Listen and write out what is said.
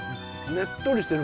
ねっとりしてる。